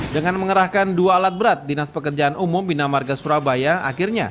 dengan mengerahkan dua alat berat dinas pekerjaan umum bina marga surabaya akhirnya